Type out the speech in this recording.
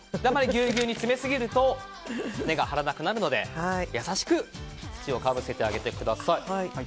あまりぎゅうぎゅうに詰めすぎると根が張らなくなるので優しくかぶせてあげてください。